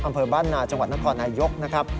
อำเภอบ้านหนาจังหวัดนักครนยก